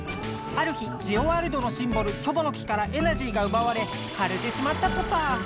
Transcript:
ある日ジオワールドのシンボルキョボの木からエナジーがうばわれかれてしまったポタ。